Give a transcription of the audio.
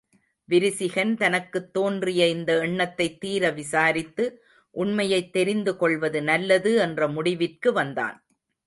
விரிசிகன் தனக்குத் தோன்றிய இந்த எண்ணத்தைத் தீர விசாரித்து, உண்மையைத் தெரிந்து கொள்வது நல்லது என்ற முடிவிற்கு வந்தான்.